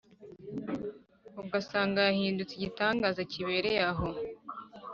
ugasanga yahindutse igitangaza kibereye aho!